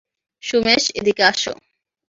সুমেশ, এদিকে আসো।